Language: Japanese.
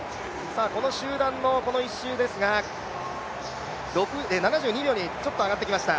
この集団も１周ですが、７２秒にちょっと上がってきました。